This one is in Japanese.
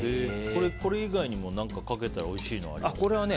これ以外にも何かかけたらおいしいものありますか？